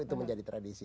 itu menjadi tradisi